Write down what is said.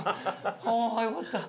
ああよかった。